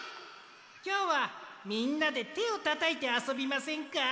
きょうはみんなでてをたたいてあそびませんか？